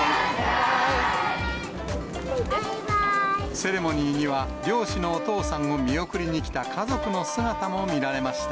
セレモニーには、漁師のお父さんを見送りに来た家族の姿も見られました。